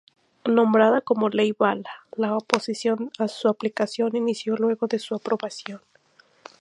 Nombrada como "Ley bala", la oposición a su aplicación inició luego de su aprobación.